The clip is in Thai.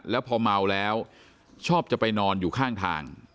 แล้วพอเมาแล้วชอบจะไปนอนอยู่ข้างทาง